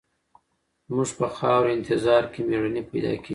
زموږ په خاوره انتظار کې مېړني پیدا کېږي.